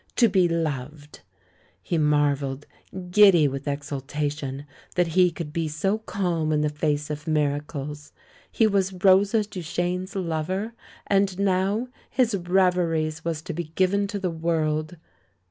To be loved!" He marvelled — giddy with exultation — that he could be so calm in the face of miracles. He was Rosa Duchene's lover and now his Reveries was to be given to the world!